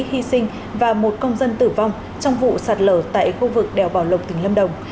hy sinh và một công dân tử vong trong vụ sạt lở tại khu vực đèo bảo lộc tỉnh lâm đồng